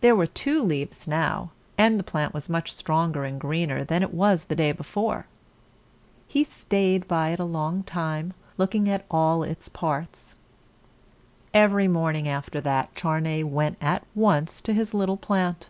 There were two leaves now, and the plant was much stronger and greener than it was the day before. He staid by it a long time, looking at all its parts. Every morning after that, Charney went at once to his little plant.